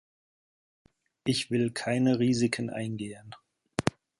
Ich will keine Risiken eingehen.